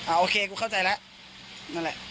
โอเคกูเข้าใจแล้วนั่นแหละ